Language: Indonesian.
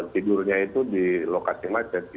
tidurnya itu di lokasi macet